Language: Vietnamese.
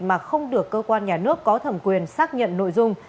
mà không được cơ quan nhà nước có thẩm quyền xác nhận nội dung